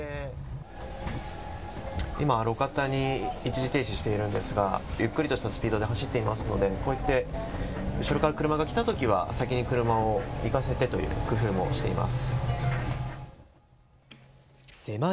今、路肩に一時停止しているんですがゆっくりとしたスピードで走っていますのでこうやって後ろから車が来たときは先に車を行かせてという工夫もしています。